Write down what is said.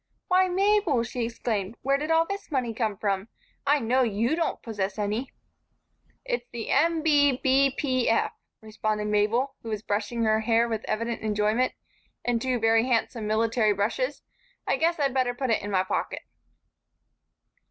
"Why, Mabel!" she exclaimed. "Where did all this money come from? I know you don't possess any." "It's the M. B. B. P. F.," responded Mabel, who was brushing her hair with evident enjoyment and two very handsome military brushes. "I guess I'd better put it in my pocket."